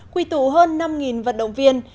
quy tụ hơn năm vận động viên